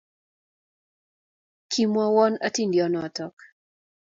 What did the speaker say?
Kimwawan atindonyot inot